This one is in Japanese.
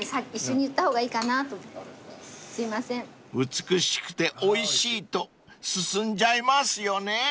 ［美しくておいしいと進んじゃいますよね］